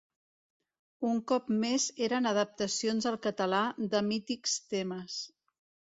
Un cop més eren adaptacions al català de mítics temes.